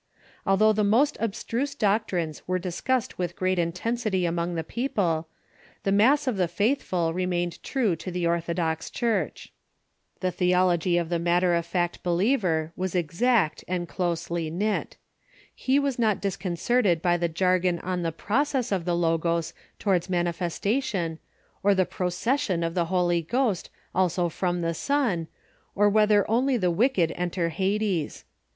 Although the most abstruse doctrines were discussed with great intensity among the people, the mass of the faithful re ECCLESIASTICAL GOVERNMENT AND THE EOilAN PRIMACY GO maincd true to the orthodox Church.* The theology of the matter of fact believer was exact and closely knit. He was not disconcerted by the jargon on the 2^^'ocess of the Logos tow ards manifestation, or the procession of the Holy (irhost also from the Son, or Avhether only the wicked enter Hades.